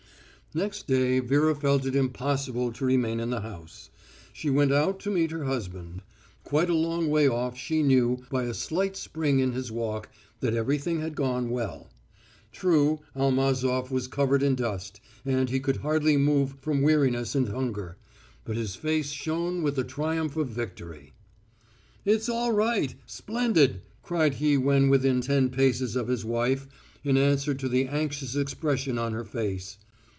Next day Vera felt it impossible to remain in the house. She went out to meet her husband. Quite a long way off she knew, by a slight spring in his walk, that everything had gone well.... True, Almazof was covered in dust, and he could hardly move from weariness and hunger, but his face shone with the triumph of victory. "It's all right! Splendid!" cried he when within ten paces of his wife, in answer to the anxious expression on her face.